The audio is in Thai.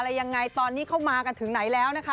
มากันอย่างไรตอนนี้เขามากันถึงไหนแล้วนะคะ